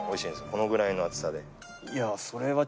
このぐらいの厚さで。